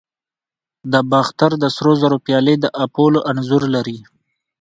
د باختر د سرو زرو پیالې د اپولو انځور لري